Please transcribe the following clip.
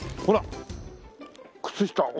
ほら靴下。